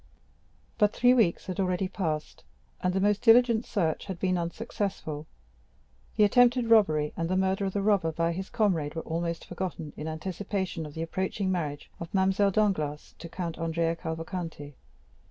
But three weeks had already passed, and the most diligent search had been unsuccessful; the attempted robbery and the murder of the robber by his comrade were almost forgotten in anticipation of the approaching marriage of Mademoiselle Danglars to the Count Andrea Cavalcanti.